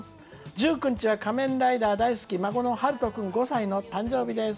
１９日は「仮面ライダー」大好き孫のはると君の５歳の誕生日です」。